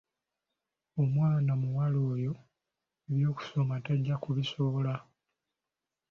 Omwana muwala oyo eby’okusoma tajja kubisobola.